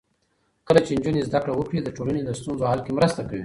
کله چې نجونې زده کړه وکړي، د ټولنې د ستونزو حل کې مرسته کوي.